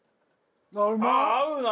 合うなあ！